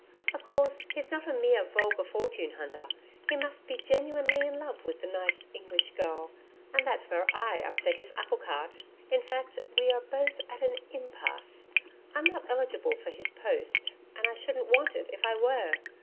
Of course he's not a mere vulgar fortune hunter. He must be genuinely in love with the nice English Girl. And that's where I upset HIS apple cart. In fact, we are both in an IMPASSE. I'm not eligible for his post and I shouldn't want it if I were.